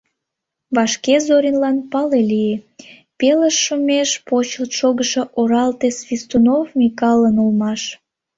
Вашке Зоринлан пале лие: пелыш шумеш почылт шогышо оралте Свистунов Микалын улмаш.